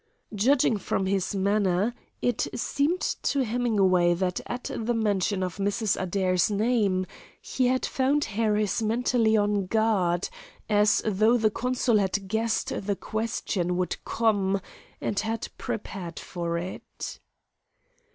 Judging from his manner, it seemed to Hemingway that at the mention of Mrs. Adair's name he had found Harris mentally on guard, as though the consul had guessed the question would come and had prepared for it.